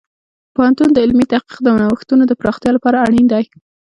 پوهنتون د علمي تحقیق د نوښتونو د پراختیا لپاره اړین دی.